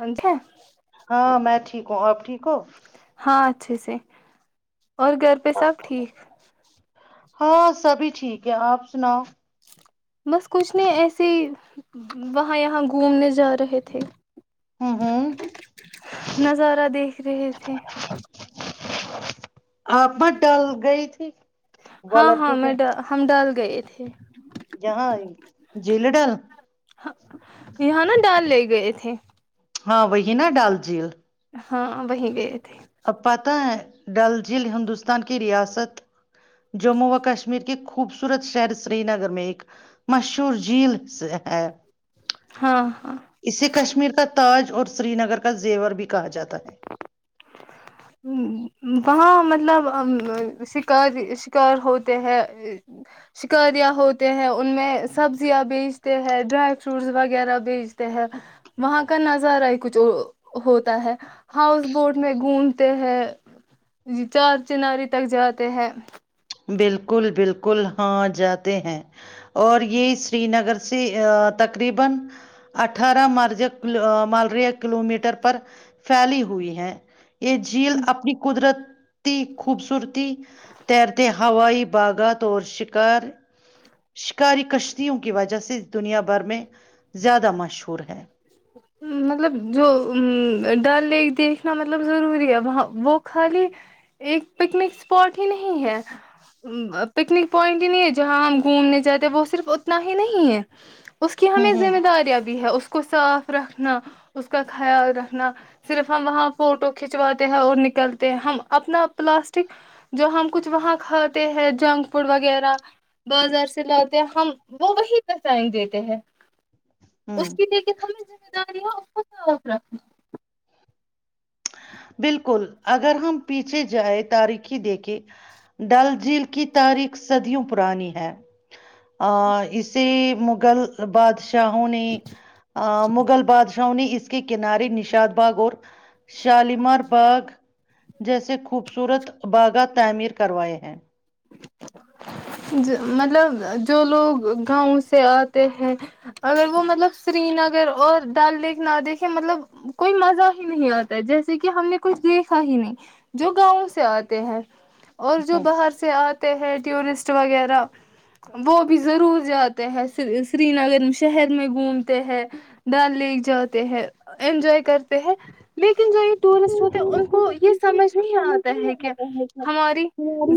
Inch کون آب ٹھیک ہو ہاں اچھے سے اور گھر پہ سب ٹھیک ہاں سبھی ٹھیک ہے آپ سناؤ بس کچھ نہیں ایسے وہاں یہاں گھومنے جا رہے تھے ہوں ہوں نظارہ دیکھ رہے تھے [unintelligible] آب ڈل گئی تھی وہ ہاں لڑکی ہاں کے میں ڈ ہم ڈال گئے تھے [unintelligible] جہاں جیل ڈال [unintelligible] یہاں نا ڈال لے گئے تھے ہاں وہی نہا ڈال جیل ہاں وہہیں گ پتہ ہے ڈل جھیل ہندوستان کی ریاست جموں و کشمیر کے خوبصورت شہر سری نگر میں ایک مشہور جھیل سے ہے ہاں [unintelligible] اسے کشمیر کا تاج اور سری نگر کا زیور بھی کہا جاتا ہے [unintelligible] وہاں مطلب شکاری شکار ہوتے ہیں شکاریاں ہوتے ہیں ان میں سبزیاں بیچتے ہیں ڈرائی فروٹس وغیرہ بیچتے ہیں وہاں کا نظارہ ہی کچھ ہوتا ہے ہاؤس بوٹ میں گند [unintelligible] ہیں چار چناری تک جاتے ہیں [unintelligible] [unintelligible] اٹھارہ مارچک مالریا [unintelligible] کلو میٹر پر پھیلی ہوئی ہے یہ [unintelligible] یہ جھیل اپنی قدرت [unintelligible] خوبصورتی تیر [unintelligible] ہوائی باغات اور شار شکاری کشتیوں کی وجہ سے دنیا بھر میں زیادہ مشہور ہے [unintelligible] مطلب جو ڈل لیک دیکھنا مطلب ضروری ہے وہاں وہ خالی ایک پکنک اسپاٹ ہی نہیں ہے پکنک پوائنٹ ہی نہیں ہے جہاں ہم گھومنے جاتے وہ صرف اتنا ہی نہیں ہے اس کی ہوں ہمیں ہوں ذمہ داریاں بھی ہے اس کو صاف رکھنا اس کا خیال رکھنا صرف ہم وہاں فوٹو کھنچواتے ہیں اور نکلتے ہیں ہم اپنا پلاسٹک جو ہم کچھ وہاں کھاتے ہیں جنک فوڈ وغیرہ بازار سے لاتے ہیں ہم وہ وہی پہچائ دیتے ہیں ہوں [unintelligible] دیک کے سمج ج [inaudible] کر اپ کو صاف رکھنا [unintelligible] بالکل اگر ہم پیچھے جائے تاریخی دیکھے ڈل جھیل کی تاریخ صدیوں پرانی ہے ا اسے مغل بادشاہوں نے مغل بادشاہوں نے اس کے کنارے نشاد باغ اور [unintelligible] شالیمار باغ جیسے خوبصورت باغا تعمیر کروائے ہیں [unintelligible] مطلب جو لوگ گاؤں سے آتے ہیں اگر وہ مطلب سری نگر اور ڈل لیک نہ دیکھے مطلب کوئی مزہ ہی نہیں آتا ہے جیسے کہ ہم نے کچھ دیکھا ہی نہیں جو گاؤں سے آتے ہیں [unintelligible] اور جو ہم۔ باہر سے آ ہیں ٹورسٹ وغیرہ وہ بھی ضرور جاتے ہیں سری نگر شہر میں گھومتے ہیں ڈل لیک جاتے ہیں انجوائے کرتے ہیں [unintelligible] لیکن جو یہ سمجھ ٹورسٹ ہوتے نہیں ہیں ان کو آتا ہے یہ سمجھ کہ نہیں ہماری ذمہ آتا ہے کہ داریاں ہماری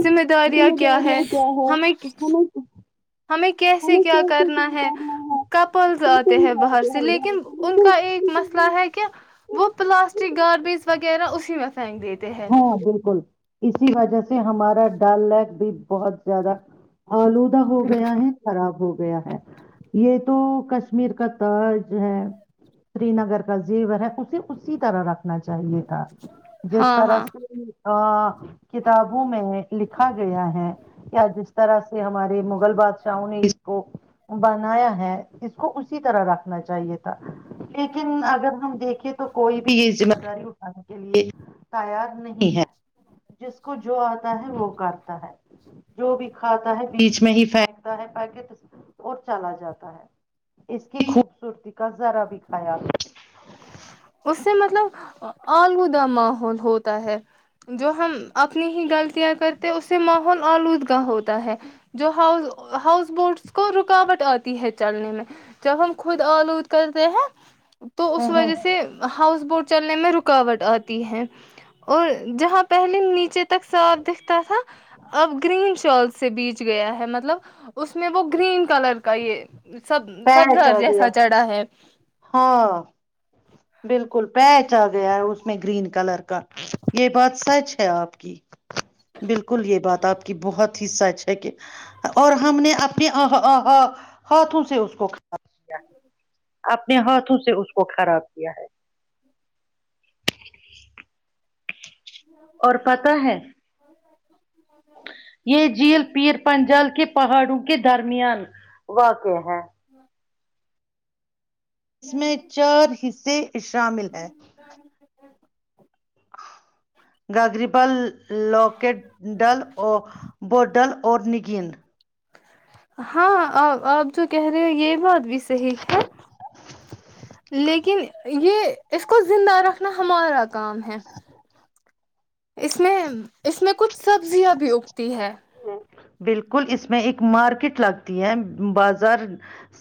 ذمہ داریاں کیایا ہے کیا ہمیں ہے نا [unintelligible] [inaudible] ہمیں کیسے کیا کرنا ہے ہے کپلز یہ آتے سمجھ ہیں باہر سے لیکن ان کا ایک آتے مسئلہ ہیں۔ ہے کہ وہ پلاسٹک گاربیج وغیرہ اسی میں پھینک دیتے ہیں ہاں بالکل اسی وجہ سے ہمارا سا ڈل لیک بھی بہت زیادہ آلودہ ہو گیا ہے خراب ہوگیا گیا ہے یہ تو کشمیر کا ترج ہے سری نگر کا زیور ہے اسے اسی طرح رکھنا چاہیے ہ جو ہاں ہاں سرس ا کتابوں میں لکھا گیا ہے یا جس طرح سے ہمارے مغل بادشاہوں نے اس کو بنایا ہے اس کو اسی طرح رکھنا چاہیے تھا لیکن اگر ہم دیکھیں تو کوئی بھی یہ ذمہ داری اٹھانے کے لیے تیار نہیں ہے جس کو جو آتا ہے وہ کرتا ہے جو بھی کھاتا ہے بیچ میں ہی پھینکتا ہے پیکٹ اور چلا جاتا ہے اس کی خوبصورتی کا ذرا بھی کایال اس سے آلودہ ماحول ہوتا ہے جو ہم اپنی ہی غلطیاں کرتے اس سے ماحول آلودگ ہوتا ہے جو ہاؤ ہاؤس بوٹس کو رکاوٹ آتی ہے چلنے میں جب ہم خود آلود کرتے ہیں تو ہوں اس ہوں وجہ سے ہاؤس بورٹ چلنے میں رکاوٹ آتی ہے اور جہاں پہلے نیچے ت تک ساف دکھتا تھا اب گرین شالس سے بیچ گیا ہے مطلب اس میں وہ گرین کلر کا یہ سب سب پیچ زر آ گیا جیسا چڑھا ہے ہاں بالکل پیچ آ گیا ہے اس میں گرین کلر کا یہ بات سچ ہے آپ کی بالکل یہ بات آپ کی بہت ہی سچ ہے کہ اور ہم نے اپنےا ہاتھوں سے اس کو کھایا ہ ہ [inaudible] اپنے ہاتھوں سے اس کو خراب کیا ہے اور پت ہے یہ جھیل پیر پنجال کے پہاڑوں کے کے درمیان واق ا ہاں [inaudible] اس میں چار حصے شامل ہیں گاگریبال لکڈل اور بڈل اورور نکن ہاں آ آپ جو کہہ رہے ہو یہ بات بھی صحیح ہے لیکن یہ اس کو زندہ رکھنا ہمارا کام ہے اس میں اس میں کچھ سبزیاں بھی اگتی ہے بالکل اس میں ایک مارکیٹ لگتی ہے بازار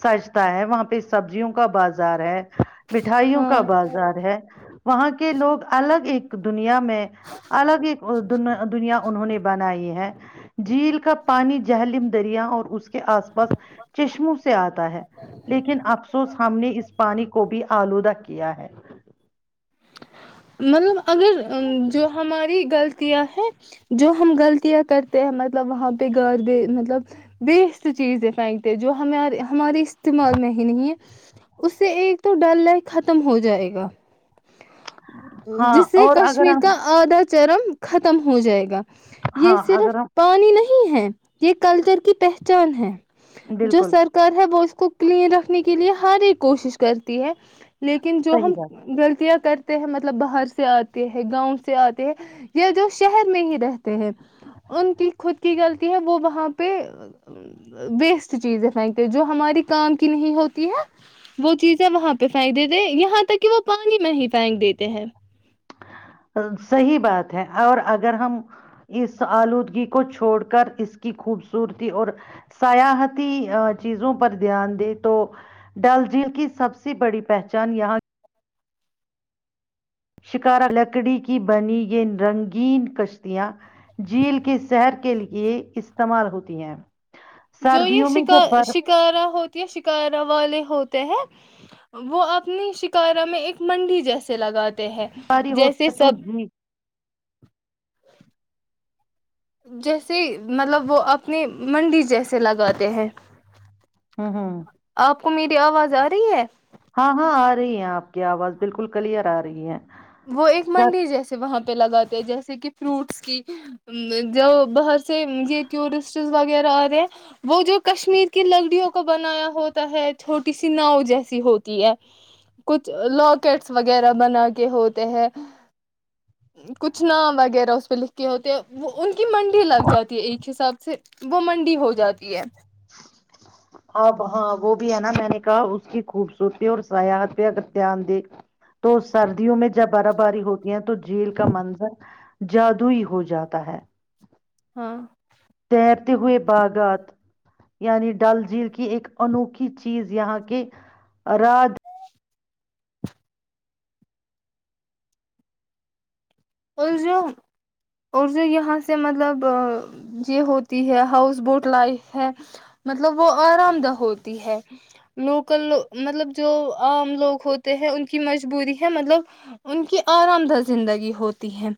سجتا ہے وہاں پہ سبزیوں کا بازار ہے مٹھائیوں کا ہاں بازار ہے وہاں کے لوگ الگ ایک دنیا میں الگ ایک د دنیا انہوں نے بنائی ہے جھیل کا پانی جہللم دریا اور اس کے آس پاس چشموں سے آتا ہے لیکن افسوس ہم نے اس پانی کو بھی آلودہ کیا ہے مطلب اگر جو ہماری غلط کیایا ہے جو ہم غلطیاں کرتے ہیں مطلب وہاں پہ گارب مطلب بیسٹ چیزیں پھینکتے جو ہم ہمارے استعمال میں ہی نہیں ہے اس سے ایک تو ڈر ل ختم ہو جائے گا ہاں جس سے اور اگر کشمیر ہم کا آدا [unintelligible] چرم ختم ہو جائے گا [unintelligible] یہ ہاں اگر صرف پانی نہیں [unintelligible] ہیں یہ کلچر کی پہچان ہے ہم [unintelligible] جو بالکل سرکار ہے وہ اس کو کلین رکھنے کے لیے ہر ایک کوشش کرتی ہے لیکن جو صحیح ہم بات غلطیاں کرتے مطلب باہر سے آتے ہیں گاؤں سے آتے ہیں یا جو شہر میں ہی رہتے ہیں ان کی خود کی غلطی ہے وہ وہاں پہ ویسٹ چیزیں پھینکتے جو ہماری کام کی نہیں ہوتی ہے وہ چیزیں وہاں پہ پھینک دیتے یہاں تک کہ وہ پانی میں ہی [unintelligible] پھینک دیتے ہیں [unintelligible] صحی بات ہے اور اگر ہم اس آلودگی کو چھوڑ کر اس کی خوبصورتی اور سیاحتی چیزوں پر دھیان دیں تو ڈل جیل کی سب سے بڑی پہچان یہاں [unintelligible] شکارا لکڑی کی بنی یہ رنگین کشتیاں [unintelligible] جھیل کی شحر کے لیے استعمال ہوتی ہیں [unintelligible] جو سردیوں میں جب یہ برف شکارا ہوتی ہے شکارا والے ہوتے ہیں وہ اپنی شکارا میں ایک منڈی جیسے لگاتے ہیں باری جیسے ہوتی ہے تو سب [unintelligible] جی جیسے مطلب وہ اپنی منڈی جیسے لگاتے ہیں ہوں ہوں [unintelligible] کمیری آواز آ رہی ہے [unintelligible] ہاں ہاں آ رہی ہیں آپ کی آواز بالکل کلیئر آ رہی ہے وہ ایک منڈی جیسے وہاں پہ پہ لگاتے ہیں جیسے کہ فروٹس کی جو باہر سے یہ ٹورسٹ وغیرہ آتے ہیں وہ جو کشمیر کی لکڑیوں کو بنایا ہوتا ہے چھوٹی سی ناؤ جیسی ہوتی ہے کچھ لاکٹس وغیرہ بنا کے ہو [unintelligible] ہیں کچھ نام وغیرہ اس پہ لکھے ہوتے ہیں وہ ان کے [unintelligible] کہ منڈی لگ جاتی ہے ایک حساب سے [unintelligible] وہ منڈی ہو جاتی ہے ہاں ہاں وہ بھی ہے نا میں نے کہا اس کی خوبصورتی اور سیات پہ اگر دھیان دے تو سردیوں میں [unintelligible] جب برا باری ہوتی ہے تو جھیل کا منظر [unintelligible] جادوئی ہو جاتا ہے [unintelligible] ہاں [unintelligible] تیرتے ہوئے باغات یعنی ڈل جھیل کی ایک انوکھی چیز یہاں کے راج [unintelligible] [inaudible] اور جو اور جو یہاں سے مطلب یہ ہوتی ہے ہاؤس بوٹ لائف ہے مطلب وہ آرام دہ ہوتی ہے لوکل مطلب جو عام لوگ ہوتے ہیں ان کی مجبوری ہے مطلب ان کی آرام دہ زندگی ہوتی [unintelligible] ہیں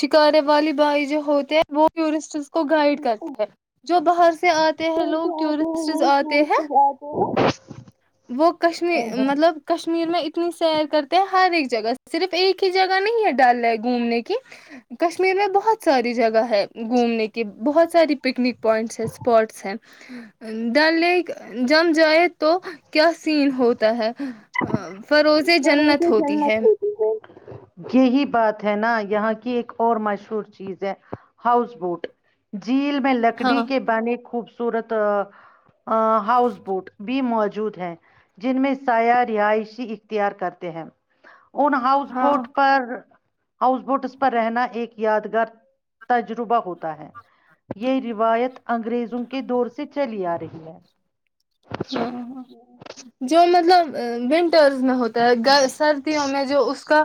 شکارے والی بھائی جو ہوتے ہیں وہ ٹورسٹ [unintelligible] کو گائڈ کرتا ہے [unintelligible] جو بحر گھر سے آتے ہیں مور ہیں سے آتے ہیں [unintelligible] وہ کشمیر مطلب کشمیر میں اتنی سیر کرتے ہر ایک جگہ صرف ایک ہی جگہ نہیں ہے ڈل ہے گھومنے کی کشمیر میں بہت ساری جگہ ہے گھومنے کی بہت ساری پکنک پوائنٹس ہے اسپاٹس ہیں ڈ ل جم جائے تو کیا سین ہوتا ہے فروزیں جنت ہوتی ہے جنت ہوتی ہے یہی بات ہے نا یہاں کی ایک اور مشہور چیز ہے ہاؤس بوٹ جو جیل میں لکڑی ہاں کے بانے خوب سورت ہاؤس بوٹ بھی موجود ہیں جن میں سایہ رہائشی اختیار کرتے ہیں ان ہاؤس ہاں بوٹ پر ہاؤس بوٹس پر رہنا ایک یادگار تجربہ ہوتا ہے یہ روایت انگریزوں کے دور سے چلی آ رہی ہے ہاںاں جو مطلب مینٹل میں ہوتا ہے سردیوں میں جو اس کا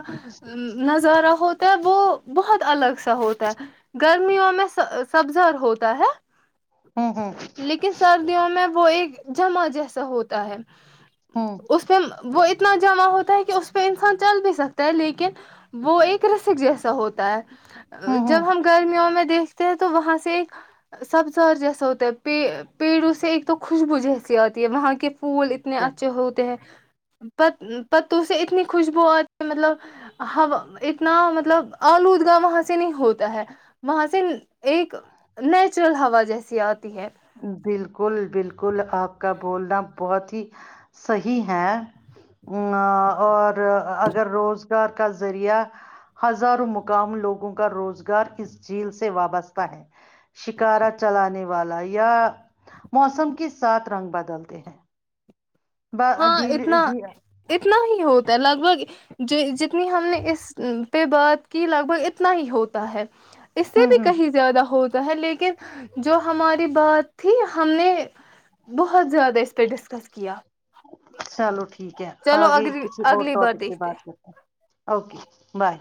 نظارہ ہوتا تو وہ بہت الگ سا ہوتا ہے گرمیوں میں سبزر ہوتا ہے ہوں ہوں لیکن سردیوں میں وہ ایک جمع جیسا ہوتا ہے ہوں اس دم وہ اتنا جمع ہوتا ہے کہ اس پہ انسان چل بھی سکتا ہے لیکن وہ ایک رسک جیسا ہوتا ہے ہوں ہوں جب ہم گرمیوں میں دیکھتے ہیں تو وہاں سے ایک سبزار جیسا ہوتا ہے پیڑوں سے ایک تو خوشبو جیس آتی ہے وہاں کے پھول اتنے اچھے ہوتے ہیں پت پتوں سے اتنی خوشبو آتی مطلب ہوا اتنا مطلب آلودگاہ وہاں سے نہیں ہوتا ہے وہاں سے ایک نیچرل ہوا جیسی آتی ہے بالکل بالکل آپ کا بولنا بہت ہی صی ہے اور اگر روز کا ذریعہ ہزاروں مقام لوگوں کا روزگار اس جھیل سے وابستہ ہے شکارا چلانے والا یا موسم کے سات رنگ بدلتے ہیں ب- ہاں ڈیل اتنا جی- اتنا ہی ہوتا لگ بھگ جتنی ہم نے اس پہ بات کی لگ بھگ اتنا ہی ہوتا ہے اس سے ہوں بھی ہوں کہیں زیادہ ہو تو ہے لیکن جو ہماری بات تھی ہم نے بہت زیادہ اس پہ ڈسکس کیا چلو ٹھیک ٹھیک ہے چلو آگئے اگلی کسی اور اگلی بار ٹاپک سے دیکھتے ہیں۔ بات کرتے اوکے بائے